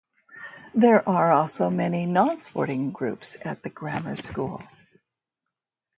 There are also many non-sporting groups at the Grammar School.